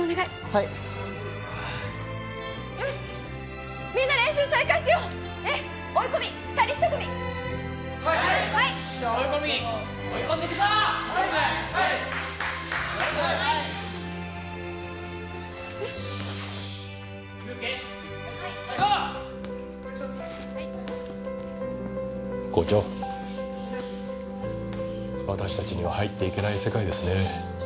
私たちには入っていけない世界ですね。